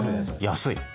安い！